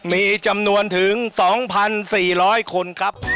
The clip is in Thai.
มีจำนวนถึง๒๔๐๐คนครับ